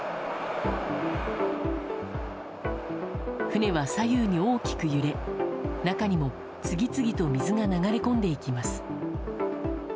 船は左右に大きく揺れ中にも次々と水が流れ込んでいきます。